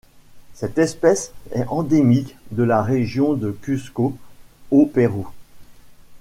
Cette espèce est endémique de la région de Cuzco au Pérou.